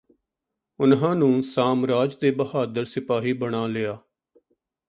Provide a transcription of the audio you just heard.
ਉਨ੍ਹਾਂ ਨੂੰ ਸਾਮਰਾਜ ਦੇ ਬਹਾਦਰ ਸਿਪਾਹੀ ਬਣਾ ਲਿਆ